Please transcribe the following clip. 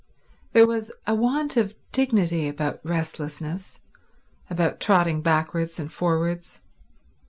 There was a want of dignity about restlessness, about trotting backwards and forwards.